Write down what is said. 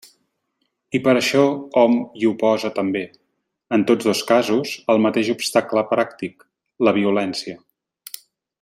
I per això hom hi oposa també, en tots dos casos, el mateix obstacle pràctic, la violència.